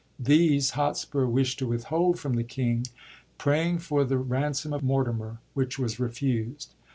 These, Hotspur wisht to withhold from the king, praying for the ransom of Mortimer, which was refused.